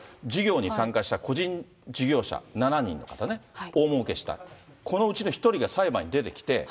事業に参加した個人事業者７人の方ね、大もうけした、このうちの１人が裁判に出てきて。